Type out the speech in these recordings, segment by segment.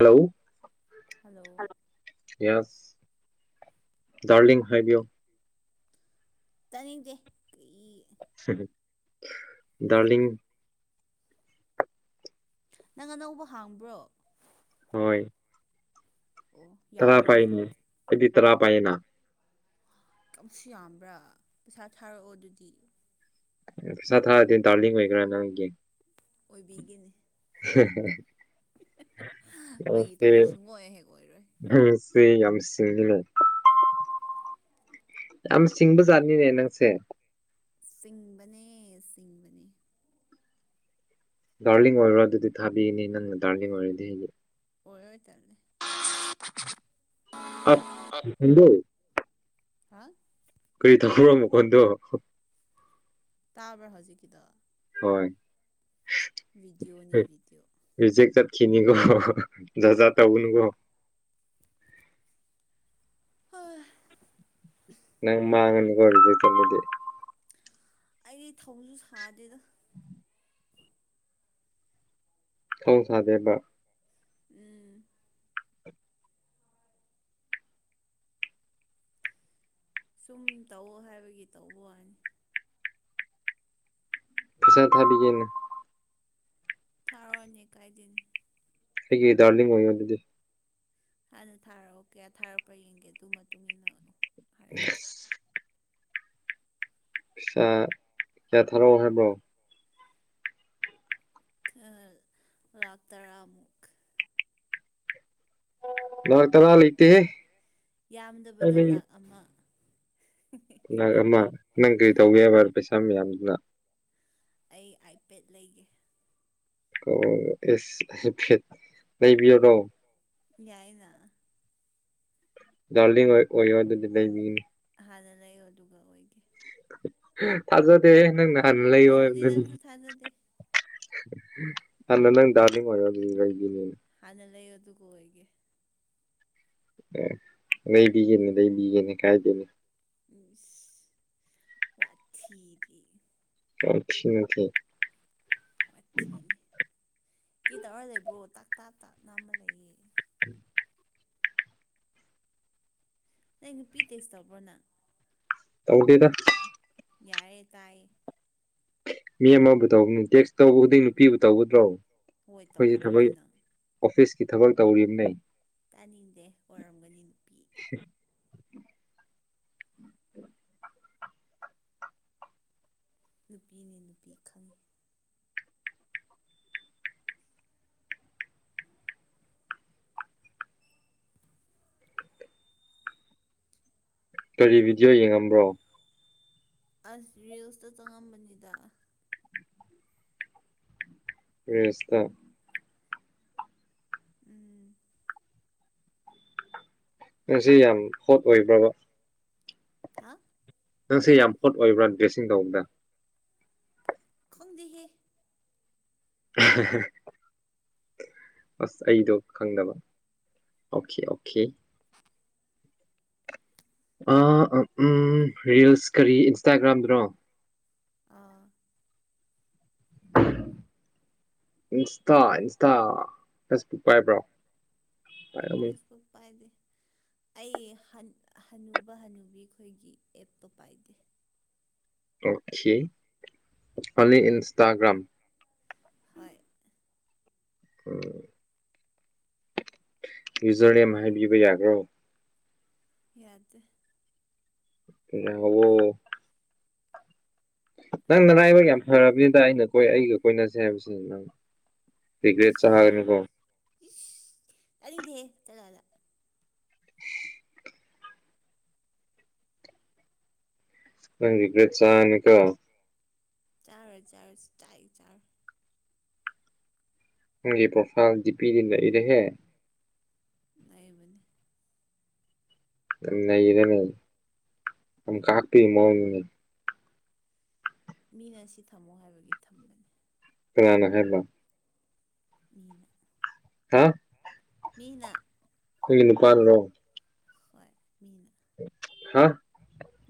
hello hello yes darling ꯍꯥꯏꯕꯤꯌꯣ ꯇꯥꯅꯤꯡꯗꯦ ꯀꯨꯏ ꯗꯥꯔꯂꯤꯡ ꯅꯪ ꯑꯅꯧꯕ ꯍꯥꯡꯕ꯭ꯔꯣ ꯍꯣꯏ ꯑꯣ ꯇꯔꯥ ꯌꯥꯕ꯭ꯔꯣꯅꯦ ꯄꯥꯏꯅꯦ ꯈꯣꯏꯗꯤ ꯇꯔꯥ ꯄꯥꯏꯌꯦꯅ ꯀꯝꯁꯨ ꯌꯥꯝꯕ꯭ꯔꯥ ꯄꯩꯁꯥ ꯊꯥꯔꯛꯑꯣ ꯑꯗꯨꯗꯤ ꯄꯩꯁꯥ ꯊꯥꯔꯛꯑꯥꯗꯤ ꯗꯥꯔꯂꯤꯡ ꯑꯣꯏꯒꯦꯔ ꯅꯪꯒꯤ ꯑꯣꯏꯕꯤꯒꯦꯅꯦ ꯐꯥꯒꯤ ꯑꯣꯛꯀꯦ ꯇꯧꯅꯦ ꯌꯦꯁ ꯁꯨꯡꯑꯣꯏ ꯍꯦꯛ ꯑꯣꯏꯔꯣꯏ [unintelligible] ꯁꯤ ꯌꯥꯝ ꯁꯤꯡꯉꯤꯅ ꯌꯥꯝ ꯁꯤꯡꯕꯖꯥꯠꯅꯤꯅꯦ ꯅꯪꯁꯦ ꯁꯤꯡꯕꯅꯦ ꯁꯤꯡꯕꯅꯦ ꯗꯥꯔꯂꯤꯡ ꯑꯣꯏꯔꯣ ꯑꯗꯨꯗꯤ ꯊꯥꯕꯤꯅꯤ ꯅꯪꯅ ꯗꯥꯔꯂꯤꯡ ꯑꯣꯏꯔꯗꯤ ꯑꯩꯗꯤ ꯑꯣꯏꯔꯣꯏ ꯇꯜꯂꯦ [unintelligible] ꯍꯥ ꯀꯔꯤ ꯇꯧꯕꯔꯣ ꯃꯈꯣꯟꯗꯣ ꯇꯥꯕ꯭ꯔ ꯍꯧꯖꯤꯛꯀꯤꯗꯣ ꯍꯣꯏ ꯕꯤꯗꯤꯑꯣ ꯅꯦ ꯕꯤꯗꯤꯑꯣ ꯔꯤꯖꯦꯛ ꯆꯠꯈꯤꯅꯤꯀꯣ ꯖꯥꯠ ꯖꯥꯠ ꯇꯧꯒꯅꯨꯀꯣ [unintelligible] ꯅꯪ ꯃꯥꯡꯉꯅꯤꯀꯣ ꯔꯤꯖꯦꯛ ꯆꯠꯂꯗꯤ ꯑꯩ ꯊꯧꯁꯨ ꯁꯥꯗꯦꯗ ꯊꯧ ꯁꯥꯗꯦ ꯍꯥꯏꯕ ꯎꯝ ꯁꯨꯝ ꯇꯧꯑꯣ ꯍꯥꯏꯕꯒꯤ ꯇꯧꯕꯩ ꯋꯥꯅꯤ ꯄꯩꯁꯥ ꯊꯥꯕꯤꯒꯦꯅꯦ ꯊꯥꯔꯛꯑꯣꯅꯦ ꯀꯥꯏꯗꯦꯅꯦ ꯑꯩꯒꯤ ꯗꯥꯔꯂꯤꯡ ꯑꯣꯏꯌꯣ ꯑꯗꯨꯗꯤ ꯍꯥꯟꯅ ꯊꯥꯔꯛꯑꯣ ꯀꯌꯥ ꯊꯥꯔꯛꯄ꯭ꯔ ꯌꯦꯡꯒꯦ ꯑꯗꯨ ꯃꯇꯨꯡ ꯏꯟꯅ ꯍꯥꯏꯔꯛꯀꯦ ꯄꯩꯁꯥ ꯀꯌꯥ ꯊꯥꯔꯛꯑꯣ ꯍꯥꯏꯕ꯭ꯔꯣ [unintelligible] ꯂꯥꯛ ꯇꯔꯥꯃꯨꯛ ꯂꯥꯛ ꯇꯔꯥ ꯂꯩ ꯌꯥꯝꯗꯕꯗ ꯂꯥꯥꯛ ꯑꯃ ꯂꯥꯛ ꯑꯃ ꯅꯪ ꯀꯔꯤ ꯇꯧꯒꯦ ꯍꯥꯏꯕꯔ ꯄꯩꯁꯥ ꯃꯌꯥꯝꯗꯨꯅ ꯑꯩ ꯑꯥꯏꯄꯦꯗ ꯂꯩꯒꯦ ꯑꯣ ꯏꯁ ꯑꯥꯏꯄꯦꯗ ꯂꯩꯕꯤꯌꯨꯔꯣ ꯌꯥꯏꯌꯦꯅ ꯗꯔꯂꯤꯡ ꯑꯣꯏ ꯑꯣꯏꯌꯣ ꯑꯗꯨꯗꯤ ꯂꯩꯕꯤꯒꯅꯤ ꯍꯥꯟꯅ ꯂꯩꯌꯣ ꯑꯗꯨꯒ ꯑꯣꯏꯒꯦ ꯊꯥꯖꯗꯦꯍꯦ ꯅꯪꯅ ꯍꯥꯟꯅ ꯂꯩꯌꯣ ꯑꯗꯨꯗꯤ ꯍꯥꯏꯕꯗꯨꯗꯤ ꯅꯪꯁꯨ ꯊꯥꯖꯗꯦ ꯍꯥꯟꯅ ꯅꯪ ꯗꯔꯂꯤꯡ ꯑꯣꯏꯌꯣ ꯑꯗꯨꯗꯤ ꯂꯩꯕꯤꯅꯤꯅ ꯍꯟꯅ ꯂꯩꯌꯣ ꯑꯗꯨꯒ ꯑꯣꯏꯒꯦ [unintelligible] ꯂꯩꯕꯤꯒꯦꯅꯦ ꯂꯩꯕꯤꯒꯦꯅꯦ ꯀꯥꯏꯗꯦꯅꯦ ꯎꯝꯏꯁ ꯋꯥꯊꯤꯗꯤ ꯋꯥꯊꯤ ꯅꯠꯇꯦ ꯋꯥꯊꯤꯅꯦ ꯀꯤ ꯇꯧꯔ ꯂꯩꯕ꯭ꯔꯣ ꯇꯥꯛ ꯇꯥꯛ ꯇꯥꯛ ꯅꯥꯝꯃ ꯂꯩꯌꯦ [inaudible] ꯅꯩ ꯅꯨꯄꯤ ꯇꯦꯛꯁ ꯇꯧꯕ꯭ꯔꯣ ꯅꯪ ꯇꯧꯗꯦꯗ ꯌꯥꯔꯦ ꯇꯥꯏ ꯃꯤ ꯑꯃꯕꯨ ꯇꯧꯕꯅꯤ ꯇꯦꯛꯁ ꯇꯧꯕ ꯈꯨꯗꯤꯡ ꯅꯨꯄꯤꯕꯨ ꯇꯧꯒꯗ꯭ꯔꯣ ꯍꯣꯏ ꯇꯧꯋꯤꯗꯨꯗꯤ ꯑꯩꯈꯣꯏꯁꯦ ꯅꯪ [unintelligible] ꯑꯣꯐꯤꯁꯀꯤ ꯊꯕꯛ ꯇꯧꯔꯤꯝꯅꯦ ꯇꯥꯅꯤꯡꯗꯦ ꯑꯣꯔꯝꯒꯅꯤ ꯅꯨꯄꯤ ꯅꯨꯄꯤꯅꯦ ꯅꯨꯄꯤ ꯈꯪꯉꯤ ꯀꯔꯤ ꯚꯤꯗꯤꯑꯣ ꯌꯦꯡꯉꯝꯕ꯭ꯔꯣ ꯑꯁ ꯔꯤꯜꯁꯇ ꯆꯪꯉꯝꯕꯅꯤꯗ ꯔꯤꯜꯁꯇ ꯎꯝ ꯉꯁꯤ ꯌꯥꯝ ꯍꯣꯠ ꯑꯣꯏꯕ꯭ꯔꯕ ꯍꯥ ꯅꯪꯁꯦ ꯌꯥꯝ ꯍꯣꯠ ꯑꯣꯏꯕ꯭ꯔꯥ ꯗ꯭ꯔꯦꯁꯤꯡ ꯇꯧꯕꯗ ꯈꯪꯗꯦꯍꯦ [unintelligible] ꯑꯁ ꯑꯩꯗꯣ ꯈꯪꯗꯕ ꯑꯣꯈꯦ ꯑꯣꯈꯦ [unintelligible] ꯑ ꯑ ꯎꯝ ꯔꯤꯜꯁ ꯀꯔꯤ ꯏꯟꯁꯇꯥꯒ꯭ꯔꯥꯝꯗꯔꯣ ꯑꯥ ꯏꯟꯁꯇꯥ ꯏꯟꯁꯇꯥ ꯐꯦꯁꯕꯨꯛ ꯄꯥꯏꯕ꯭ꯔꯣ ꯐꯦꯁꯕꯨꯛ ꯄꯥꯏꯗꯦ ꯑꯩ ꯍꯟ ꯍꯅꯨꯕ ꯍꯅꯨꯕꯤ ꯈꯣꯏꯒꯤ ꯑꯦꯞꯇꯣ ꯄꯥꯏꯗꯦ ꯑꯣꯈꯦ ꯑꯣꯟꯂꯤ ꯏꯟꯁꯇꯥꯒ꯭ꯔꯝ ꯍꯣꯏ ꯎꯝ ꯌꯨꯖꯔꯅꯦꯝ ꯍꯥꯏꯕꯤꯕ ꯌꯥꯒ꯭ꯔꯣ ꯌꯥꯗꯦ ꯇꯨꯝꯅꯤꯡꯉꯕꯣ ꯅꯪ ꯅꯂꯥꯏꯕꯛ ꯍꯥꯏꯕꯤꯔꯦ ꯌꯥꯝ ꯐꯔꯕꯅꯤꯗ ꯑꯩꯅ ꯀꯣꯏ ꯑꯩꯒ ꯀꯣꯏꯅꯁꯦ ꯍꯥꯏꯕꯁꯦ ꯅꯪ ꯔꯤꯒ꯭ꯔꯦꯠ ꯢꯁ ꯆꯥꯒꯅꯨꯀꯣ ꯢꯁ ꯇꯥꯅꯤꯡꯗꯦꯍꯦ ꯆꯠꯂꯣ ꯑꯗꯥ [inaudible] ꯅꯪ ꯔꯤꯒ꯭ꯔꯠ ꯆꯥꯅꯤ ꯒꯣ ꯆꯥꯔꯣꯢ ꯆꯥꯔꯣꯢ ꯁꯨꯡꯆꯥ ꯍꯦꯛ ꯆꯥꯔꯣꯢ ꯅꯪꯒꯤ ꯄ꯭ꯔꯣꯐꯥꯏꯜ ꯗꯤ ꯄꯤꯗꯤ ꯅꯩꯔꯦꯍꯦ ꯂꯩꯕꯅꯦ ꯅꯩꯔꯦꯅꯦ ꯌꯥꯝ ꯀꯥꯞꯄꯤ ꯃꯑꯣꯡꯅꯤꯅꯦ ꯃꯤꯅ ꯁꯤ ꯊꯝꯃꯣ ꯍꯥꯏꯕꯒꯤ ꯊꯝꯕꯅꯦ ꯀꯅꯅꯥ ꯍꯥꯏꯕ ꯃꯤꯅ ꯍꯥ ꯃꯤꯅ ꯑꯩꯈꯣꯏꯒꯤ ꯅꯨꯄꯥꯅꯔꯣ ꯍꯣꯏ ꯃꯤꯅ ꯍꯥ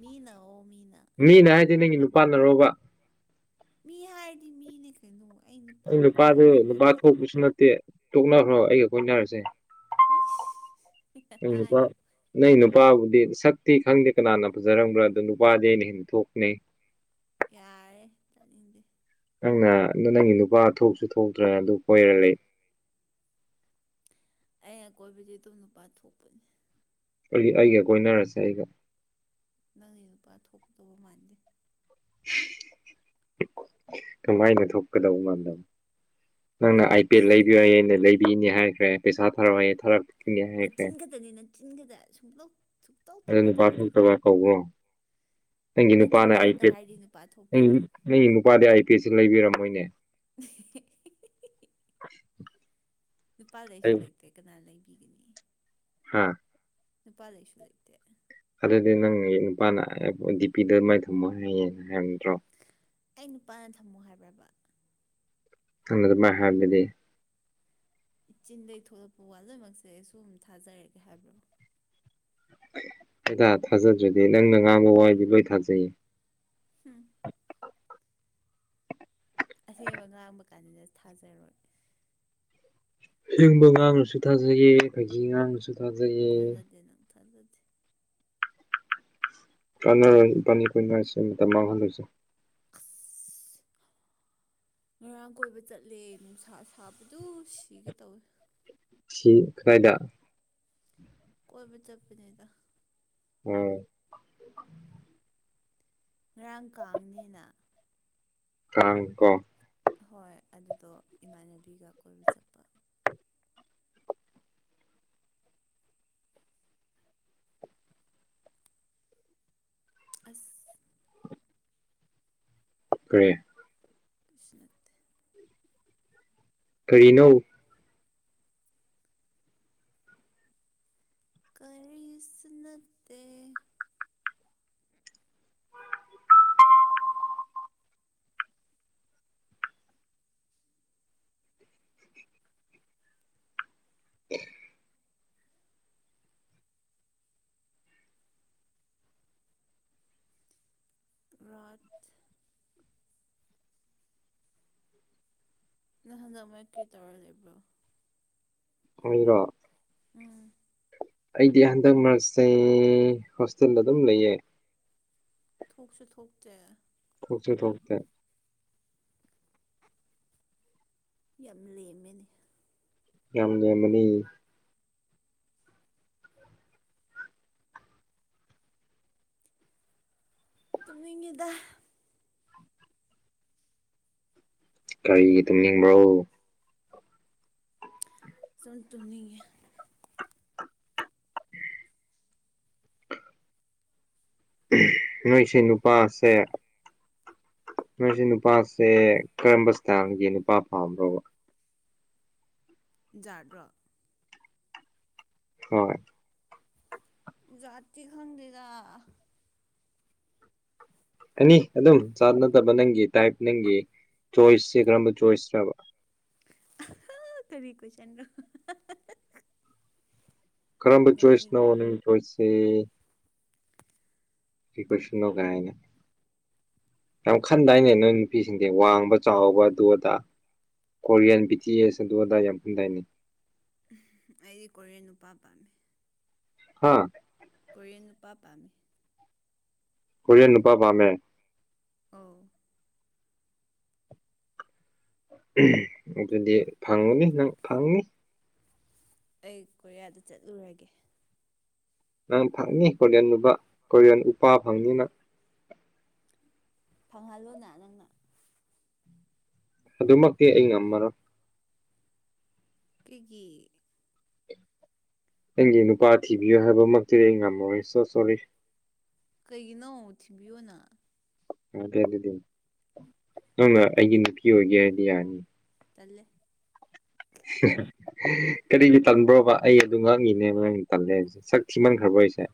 ꯃꯤꯅꯥ ꯑꯣ ꯃꯤꯅꯥ ꯃꯤꯅ ꯍꯥꯏꯗꯤ ꯅꯪꯒꯤ ꯅꯨꯄꯥꯅꯔꯣꯕ ꯃꯤ ꯍꯥꯏꯔꯗꯤ ꯃꯤꯅꯦ ꯀꯩꯅꯣ ꯑꯩ ꯅꯨꯄꯥꯃꯛꯅꯦ ꯍꯥꯏꯕꯁꯨ ꯅꯠꯇꯦ ꯇꯦ ꯇꯣꯛꯅꯈ꯭ꯔꯣ ꯑꯩꯒ ꯀꯣꯏꯅꯔꯁꯦ ꯅꯪ ꯅꯨꯄꯥ [unintelligible] ꯅꯪ ꯅꯨꯄꯥꯕꯨꯗꯤ ꯁꯛꯇꯤ ꯈꯪꯗꯦ ꯀꯅꯥꯅ ꯐꯖꯔꯝꯕ꯭ꯔꯥ ꯑꯗꯨ ꯅꯨꯄꯥꯗꯤ ꯑꯩꯅ ꯍꯦꯟ ꯊꯣꯛꯕꯅꯦ ꯌꯥꯔꯦ ꯇꯥꯅꯤꯡꯗꯦ ꯅꯪꯅ ꯅꯪꯒꯤ ꯅꯨꯄꯥ ꯊꯣꯛꯁꯨ ꯊꯣꯛꯇ꯭ꯔꯅ ꯑꯗꯨ ꯀꯣꯏꯔ ꯂꯩ ꯑꯩꯅ ꯀꯣꯏꯕꯗꯤ ꯅꯨꯄꯥ ꯊꯣꯛꯄꯅꯦ ꯑꯩꯒ ꯀꯣꯏꯅꯔꯁꯦ ꯑꯩꯒ ꯅꯪꯒꯤ ꯅꯨꯄꯥ ꯊꯣꯛꯀꯗꯧꯕ ꯃꯥꯟꯗꯦ ꯀꯃꯥꯏꯅ ꯊꯣꯛꯀꯗꯧꯕ ꯃꯥꯟꯂꯦ ꯅꯪꯅ ꯑꯥꯏ ꯄꯦ ꯂꯩꯕꯤ ꯌꯥꯏꯌꯦꯩꯅ ꯂꯩꯕꯤꯅꯤ ꯍꯥꯏꯈ꯭ꯔꯦ ꯄꯩꯁꯥ ꯊꯥꯔꯛꯑꯣꯏ ꯊꯥꯔꯛꯄꯅꯤ ꯍꯥꯏꯈ꯭ꯔꯦ ꯅꯪꯗꯤ ꯅꯆꯤꯟ ꯈꯥꯛꯇ ꯁꯨꯡꯇꯧ ꯁꯨꯡꯇꯧ ꯑꯗꯧ ꯅꯨꯄꯥ ꯇꯧꯔꯣꯏꯗꯕꯗꯣ ꯊꯣꯛꯇꯕ ꯀꯧꯕ꯭ꯔꯣ ꯅꯪꯒꯤ ꯅꯨꯄꯥꯅ ꯅꯆꯤꯟꯅ ꯑꯥꯏ ꯈꯛꯇ ꯄꯦꯠ ꯍꯥꯏꯔꯗꯤ ꯅꯨꯄꯥ ꯅ ꯊꯣꯛꯇꯦꯅ ꯅꯪꯒꯤ ꯅꯨꯄꯥꯗꯤ ꯑꯥꯏ ꯄꯦꯠꯁꯨ ꯂꯩꯕꯤꯔꯝꯃꯣꯏꯅꯦ [unintelligible] [inaudible] ꯅꯨꯄꯥ ꯂꯩꯁꯨ ꯑꯩ ꯂꯩꯇꯦ ꯀꯅꯥꯅ ꯂꯩꯕꯤꯒꯅꯤ ꯍꯥ ꯅꯨꯄꯥ ꯂꯩꯁꯨ ꯂꯩꯇꯦ ꯑꯗꯨꯗꯤ ꯅꯪꯒꯤ ꯅꯨꯄꯥꯅ ꯗꯤ ꯄꯤꯗꯣ ꯑꯗꯨꯃꯥꯏꯅ ꯊꯝꯃꯣ ꯍꯥꯏꯌꯦꯅ ꯍꯥꯏꯕ ꯅꯠꯇ꯭ꯔꯣ ꯑꯩ ꯅꯨꯄꯥꯅ ꯊꯝꯃꯣ ꯍꯥꯏꯕ꯭ꯔꯕ ꯅꯪꯅ ꯑꯗꯨꯃꯥꯢ ꯍꯥꯏꯗꯨꯗꯤ ꯆꯤꯟꯗꯩ ꯊꯣꯛꯂꯛꯄ ꯋꯥ ꯂꯣꯢꯃꯛꯁꯦ ꯁꯨꯝ ꯊꯥꯖꯔꯒꯦ ꯍꯥꯏꯕ꯭ꯔꯣ ꯀꯅ ꯊꯥꯖꯗ꯭ꯔꯗꯤ ꯅꯪꯅ ꯉꯥꯡꯕ ꯋꯥꯗꯤ ꯂꯣꯏ ꯊꯥꯖꯩꯌꯦ ꯍꯨꯝ ꯑꯁꯦꯡꯕ ꯉꯥꯡꯕ ꯀꯥꯟꯗꯅ ꯊꯥꯖꯔꯣꯏ ꯑꯁꯦꯡꯕ ꯉꯥꯡꯂꯁꯨ ꯊꯥꯖꯒꯩꯌꯦ ꯐꯩꯒꯤ ꯉꯥꯡꯉꯁꯨ ꯊꯥꯖꯗꯦ ꯅꯪ ꯊꯥꯖꯗꯦ ꯀꯥꯟꯅꯔꯣꯢ ꯏꯕꯅꯤ ꯀꯣꯢꯅꯔꯁꯦ ꯃꯇꯝ ꯃꯥꯡꯍꯟꯂꯣꯏꯁꯦ ꯑꯁ ꯉꯔꯥꯡ ꯀꯣꯏꯕ ꯆꯠꯂꯦ ꯅꯨꯡꯁꯥ ꯁꯥꯕꯗꯨ ꯁꯤꯒꯦ ꯇꯧꯋꯦ ꯁꯤ ꯀꯔꯥꯏꯗ ꯀꯣꯏꯕ ꯆꯠꯄꯅꯤꯗ ꯎꯝ ꯉꯔꯥꯡ ꯀꯥꯡꯅꯤꯅ ꯀꯥꯡꯀꯣ ꯍꯣꯏ ꯑꯗꯨꯗꯣ ꯏꯃꯥꯟꯅꯕꯤꯒ ꯀꯣꯏꯕ ꯆꯠꯄ ꯑꯁ ꯀꯔꯤ ꯀꯩꯁꯨ ꯅꯠꯇꯦ ꯀꯔꯤꯅꯣ ꯀꯔꯤꯁꯨ ꯅꯠꯇꯦ [inaudible] ꯔꯠ ꯅꯪ ꯍꯡꯗꯛ ꯃꯔꯛ ꯀ꯭ꯔꯤꯇꯧꯔ ꯂꯩꯕ꯭ꯔꯣ ꯑꯩꯔꯣ ꯎꯝ ꯑꯩꯗꯤ ꯍꯟꯗꯛ ꯃꯔꯛꯁꯦ ꯍꯣꯁꯇꯦꯜꯗ ꯑꯗꯨꯝ ꯂꯩꯌꯦ ꯊꯣꯛꯁꯨ ꯊꯣꯛꯇ꯭ꯔꯦ ꯊꯣꯛꯁꯨ ꯊꯣꯛꯇꯦ ꯌꯥꯝ ꯂꯦꯝꯃꯦꯅꯦ ꯌꯥꯝ ꯂꯦꯝꯕꯅꯦ ꯇꯨꯡꯅꯤꯡꯉꯤꯗ ꯀꯔꯤꯒꯤ ꯇꯨꯝꯅꯤꯡꯕ꯭ꯔꯣ ꯁꯨꯝ ꯇꯨꯝꯅꯤꯡꯉꯦ ꯅꯣꯏꯁꯦ ꯅꯨꯄꯥꯁꯦ ꯅꯣꯢꯁꯦ ꯅꯨꯄꯥꯁꯦ ꯀꯔꯝꯕ ꯏꯁꯇꯥꯏꯜꯒꯤ ꯅꯨꯄꯥ ꯄꯥꯝꯕ꯭ꯔꯣ ꯖꯥꯠꯔꯣ ꯍꯣꯏ ꯖꯥꯠꯇꯤ ꯈꯪꯗꯦꯗ ꯑꯅꯤ ꯑꯗꯨꯝ ꯖꯥꯠ ꯅꯠꯇꯕ ꯅꯪꯒꯤ ꯇꯥꯏꯞ ꯅꯪꯒꯤ ꯆꯣꯏꯁꯁꯦ ꯀꯔꯝꯕ ꯆꯣꯏꯁꯔꯕ ꯑꯍꯥ ꯀꯔꯤ ꯀꯣꯢꯁꯟꯅꯣ ꯀꯔꯝꯕ ꯆꯣꯏꯁꯅꯣ ꯅꯣꯛꯅꯤꯡꯉꯤ ꯅꯪ ꯆꯣꯏꯁꯁꯦ ꯀꯔꯤ ꯀꯣꯢꯁꯟꯅꯣ ꯒꯥꯏꯅ ꯌꯥꯝ ꯈꯟꯗꯥꯏꯅꯦ ꯅꯣꯏ ꯅꯨꯄꯤꯁꯤꯡꯁꯦ ꯋꯥꯡꯕ ꯆꯥꯎꯕ ꯑꯗꯨ ꯑꯗꯥ ꯀꯣꯔꯤꯌꯥꯟ ꯕꯤ ꯇꯤ ꯑꯦꯁ ꯑꯗꯨ ꯑꯗꯥ ꯌꯥꯝ ꯈꯟꯗꯥꯏꯅꯤ ꯑꯩꯗꯤ ꯀꯣꯔꯤꯌꯟ ꯅꯨꯄꯥ ꯄꯥꯝꯃꯤ ꯍꯥ ꯀꯣꯔꯤꯌꯟ ꯅꯨꯄꯥ ꯄꯥꯝꯃꯤ ꯀꯣꯔꯤꯌꯥꯟ ꯅꯨꯄꯥ ꯄꯥꯝꯃꯦ ꯑꯧ ꯑꯗꯨꯗꯤ ꯐꯪꯉꯅꯤ ꯅꯪ ꯐꯪꯅꯤ ꯑꯩ ꯀꯣꯔꯤꯌꯥꯗ ꯆꯠꯂꯨꯔꯒꯦ ꯅꯪ ꯐꯪꯅꯤ ꯀꯣꯔꯤꯌꯟ ꯅꯨꯕ ꯀꯣꯔꯤꯌꯟ ꯅꯨꯄꯥ ꯐꯪꯅꯤ ꯅꯪ ꯐꯪꯍꯜꯂꯨꯅ ꯅꯪꯅ ꯑꯗꯨꯃꯛꯇꯤ ꯑꯩ ꯉꯝꯃꯔꯣꯏ ꯀ꯭ꯔꯤꯒꯤ ꯑꯩꯒꯤ ꯅꯨꯄꯥ ꯊꯤꯕꯤꯌꯨ ꯍꯥꯏꯕꯃꯛꯇꯨꯗꯤ ꯑꯩ ꯉꯝꯃꯣꯏ ꯁꯣ ꯁꯣꯔꯤ ꯀꯩꯒꯤꯅꯣ ꯊꯤꯕꯤꯌꯣꯅ ꯌꯥꯗꯦ ꯑꯗꯨꯗꯤ ꯅꯪꯅ ꯑꯩꯒꯤ ꯅꯨꯄꯤ ꯑꯣꯏꯒꯦ ꯍꯥꯏꯗꯤ ꯌꯥꯅꯤ ꯇꯜꯂꯦ ꯀꯔꯤꯒꯤ ꯇꯟꯕ꯭ꯔꯣꯕ ꯑꯩ ꯑꯗꯨ ꯉꯥꯡꯉꯤꯅꯦ ꯅꯪꯅ ꯇꯜꯂꯦ ꯍꯥꯏꯕꯁꯦ ꯁꯛ ꯊꯤꯃꯟꯈꯔꯕꯣ ꯑꯩꯁꯦ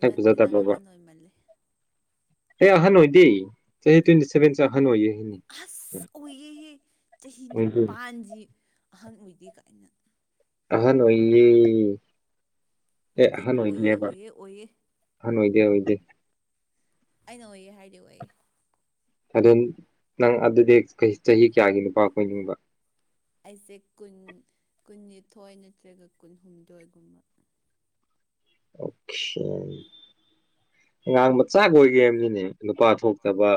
ꯁꯛ ꯅꯠꯇꯦ ꯅꯪ ꯐꯖꯗꯕ꯭ꯔꯣꯕ ꯑꯍꯥꯟ ꯑꯣꯏꯃꯜꯂꯦ ꯑꯩ ꯑꯍꯟ ꯑꯣꯏꯗꯦ ꯆꯥꯍꯤ ꯇ꯭ꯋꯦꯟꯇꯤ ꯁꯚꯦꯟꯁꯦ ꯑꯍꯟ ꯑꯣꯏꯌꯦ ꯍꯥꯏꯅꯤ ꯑꯁ ꯑꯣꯏꯌꯦꯍꯦ ꯆꯍꯤ ꯅꯤꯄꯥꯟꯖꯤ ꯑꯍꯟ ꯑꯣꯏꯗꯦ ꯀꯥꯏꯅ ꯑꯍꯟ ꯑꯣꯏꯌꯦ ꯑꯦ ꯑꯣꯏꯗꯦ ꯑꯍꯟ ꯑꯣꯏꯌꯦ ꯑꯣꯏꯗꯦꯕ ꯑꯣꯏꯌꯦ ꯑꯣꯏꯌꯦ ꯑꯍꯟ ꯑꯣꯏꯗꯦ ꯑꯣꯏꯗꯦ ꯑꯩꯅ ꯑꯣꯏꯌꯦ ꯍꯥꯏꯗꯤ ꯑꯣꯏꯌꯦ ꯑꯗꯨ ꯅꯪ ꯑꯗꯨꯗꯤ ꯆꯍꯤ ꯀꯌꯥꯒꯤ ꯅꯨꯄꯥ ꯀꯣꯏꯅꯤꯡꯕ ꯑꯩꯁꯦ ꯀꯨꯟ ꯀꯨꯟꯅꯤꯊꯣꯏ ꯅꯠꯇ꯭ꯔꯒ ꯀꯨꯟꯍꯨꯝꯗꯣꯏꯒꯨꯝꯕ ꯑꯣꯈꯦ ꯑꯉꯥꯡ ꯃꯆꯥ ꯀꯣꯏꯒꯦ ꯍꯥꯏꯝꯅꯤꯅꯦ ꯅꯨꯄꯥ ꯊꯣꯛꯇꯕ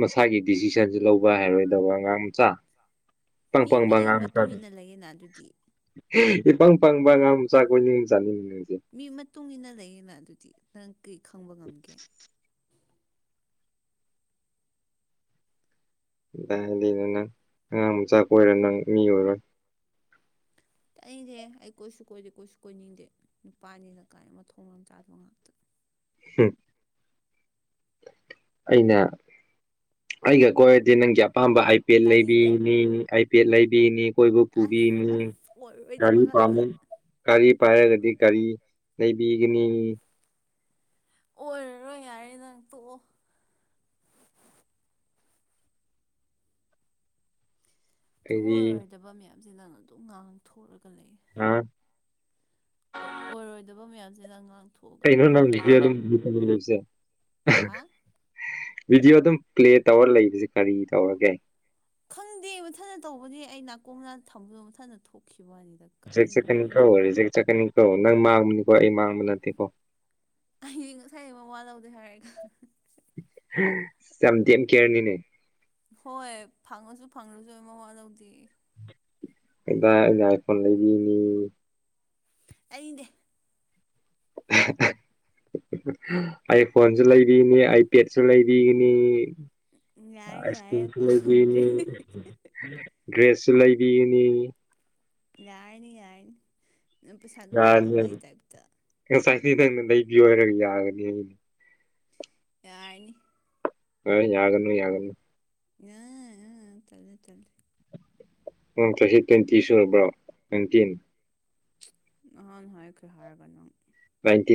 ꯃꯁꯥꯒꯤ ꯗꯤꯁꯤꯖꯟꯁ ꯂꯧꯕ ꯍꯩꯔꯣꯏꯗꯕ ꯑꯉꯥꯡ ꯃꯆꯥ ꯏꯄꯪ ꯃꯤ ꯄꯪꯕ ꯃꯤꯒꯤ ꯑꯉꯥꯡ ꯃꯆꯥ ꯃꯇꯨꯡ ꯏꯟꯅ ꯂꯩꯌꯦꯅ ꯑꯗꯨꯗꯤ ꯏꯄꯪ ꯄꯪꯕ ꯑꯉꯥꯡ ꯃꯆꯥ ꯀꯣꯏꯅꯤꯡꯉꯤ ꯆꯥꯅꯤꯅꯦ ꯅꯪꯁꯦ ꯃꯤ ꯃꯇꯨꯡ ꯏꯟꯅ ꯂꯩꯌꯦꯅ ꯑꯗꯨꯗꯤ ꯅꯪ ꯀꯔꯤ ꯈꯪꯕ ꯉꯝꯒꯦ ꯑꯗꯨꯗꯤꯗ ꯅꯪ ꯑꯉꯥꯡ ꯃꯆꯥ ꯀꯣꯏꯔ ꯅꯪ ꯃꯤ ꯑꯣꯏꯔꯣꯏ ꯇꯥꯅꯤꯡꯗꯦꯍꯦ ꯑꯩ ꯀꯣꯏꯁꯨ ꯀꯣꯏꯗꯦ ꯀꯣꯏꯁꯨ ꯀꯣꯏꯅꯤꯡꯗꯦ ꯅꯨꯄꯥꯅꯤꯅ ꯀꯥꯏ ꯃꯊꯣꯡ ꯃꯂꯝ ꯆꯥꯗꯕ ꯉꯥꯛꯇ ꯍꯝ ꯑꯩꯅ ꯑꯩꯒ ꯀꯣꯏꯔꯗꯤ ꯅꯪꯒꯤ ꯑꯄꯥꯝꯕ ꯍꯥꯏꯄꯦꯠ ꯇꯥꯅꯤꯡꯗꯦ ꯂꯩꯕꯤꯅꯤ ꯄꯦꯠ ꯂꯩꯕꯤꯅꯤ ꯀꯣꯏꯕ ꯑꯁ ꯄꯨꯕꯤꯅꯤ ꯑꯁ ꯑꯣꯏꯔꯣꯏꯗꯕ ꯒꯥꯔꯤ ꯉꯥꯛꯇ ꯄꯥꯝꯃꯤ ꯒꯥꯔꯤ ꯄꯥꯏꯔꯒꯗꯤ ꯒꯥꯔꯤ ꯂꯩꯕꯤꯒꯅꯤ ꯑꯣꯏꯔꯔꯣꯏ ꯌꯥꯔꯦ ꯅꯪ ꯇꯣꯛꯑꯣ ꯑꯩꯗꯤ ꯨꯁꯨꯡꯑꯣꯏ ꯑꯣꯏꯔꯣꯏꯗꯕ ꯃꯌꯥꯝꯁꯦ ꯅꯪꯅ ꯑꯗꯨꯝ ꯉꯥꯡꯊꯣꯛꯑꯒ ꯂꯩꯌꯦ ꯍꯥ ꯑꯣꯏꯔꯣꯏꯗꯕ ꯃꯌꯥꯝꯁꯤ ꯅꯪ ꯉꯥꯡꯊꯣꯛꯑꯒ ꯑꯗꯨꯝ ꯀꯩꯅꯣ ꯅꯪ ꯚꯤꯗꯤꯑꯣ ꯂꯩꯔ [unintelligible] ꯚꯤꯗꯤꯑꯣ ꯑꯗꯨꯝ ꯄ꯭ꯂꯦ ꯇꯧꯔ ꯂꯩꯕꯁꯦ ꯀꯔꯤ ꯇꯧꯔꯒꯦ ꯈꯪꯗꯦ ꯃꯊꯟꯅ ꯇꯧꯕꯗꯤ ꯑꯩ ꯅꯥꯀꯣꯡꯅ ꯊꯝꯗ ꯃꯊꯟꯗ ꯊꯣꯛꯈꯤꯕꯅꯤꯗ ꯆꯦꯛ ꯆꯠꯀꯅꯤꯀꯣ ꯔꯤꯖꯦꯛ ꯆꯠꯀꯅꯤ ꯀꯣ ꯅꯪ ꯃꯥꯡꯕꯅꯤꯀꯣ ꯑꯩ ꯃꯥꯡꯕ ꯅꯠꯇꯦꯀꯣ ꯑꯩꯗꯤ ꯉꯁꯥꯏꯅ ꯃꯋꯥ ꯂꯧꯗꯦ ꯍꯥꯏꯔꯒ ꯌꯥꯝ ꯗꯦꯝ ꯀꯦꯔꯅꯤꯅꯦ ꯍꯣꯏ ꯐꯪꯉꯁꯨ ꯐꯪꯗꯔꯁꯨ ꯃꯋꯥ ꯂꯧꯗꯦ ꯑꯗꯨ ꯑꯩꯗꯤ ꯑꯥꯏꯐꯣꯟ ꯂꯩꯕꯤꯅꯤ ꯑꯩꯅꯦ [unintelligible] ꯑꯥꯏ ꯐꯣꯟꯁꯨ ꯂꯩꯕꯤꯅꯤ ꯑꯥꯏꯄꯦꯠꯁꯨ ꯂꯩꯕꯤꯒꯅꯤ ꯌꯥꯔꯦ ꯑꯥꯏꯁ ꯌꯥꯔꯦ ꯀ꯭ꯔꯤꯝꯁꯨ ꯄꯥꯝꯗ꯭ꯔꯦ ꯂꯩꯕꯤꯅꯤ ꯗ꯭ꯔꯦꯁꯁꯨ ꯂꯩꯕꯤꯅꯤ ꯥꯌꯥꯔꯅꯤ ꯌꯥꯔꯅꯤ ꯅꯪ ꯄꯩꯁꯥ ꯑꯗꯨꯝ ꯇꯥꯟꯕꯩ ꯇꯥꯏꯞꯇ ꯑꯦꯛꯁꯔꯁꯥꯏꯖꯅꯤ ꯅꯪꯅ ꯂꯩꯕꯤꯌꯣ ꯍꯥꯏꯔꯒ ꯌꯥꯒꯅꯤꯅ ꯌꯥꯔꯅꯤ ꯑꯥ ꯌꯥꯒꯅꯨ ꯌꯥꯒꯅꯨ ꯑ ꯇꯥꯜꯂꯦ ꯇꯥꯜꯂꯦ ꯅꯪ ꯆꯍꯤ ꯇ꯭ꯋꯦꯟꯇꯤ ꯁꯨꯔꯕ꯭ꯔꯣ ꯅꯥꯏꯟꯇꯤꯟ ꯅꯍꯥꯟ ꯍꯥꯏꯈ꯭ꯔꯦ ꯍꯥꯏꯔꯒ ꯅꯪ ꯅꯥꯏꯟꯇꯤꯟ